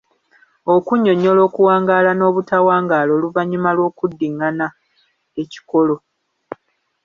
Okunnyonnyola okuwangaala n’obutawangaala oluvannyuma lw’okuddingaana ekikolo.